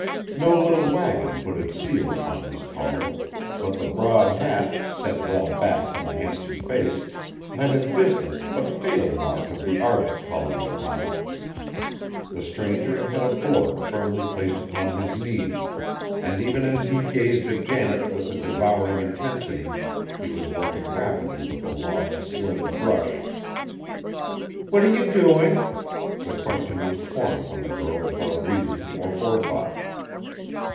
No little wagon put its seal upon his calling, but the broad hat, set well back from the handsome face, had a distant but fatal mark of the artist colony upon it. The stranger had a board firmly placed upon his knees, and even as he gazed at Janet with a devouring intensity he was working rapidly with a long, slim brush. "What are you doing?" The question was torn from the girl without reason or forethought.